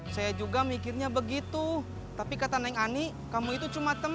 saya juga mikirnya begitu tapi kata neng ani kamu itu cuma teman